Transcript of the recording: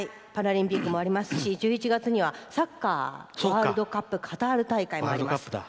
パラリンピックもありますし１１月にはサッカーワールドカップカタール大会があります。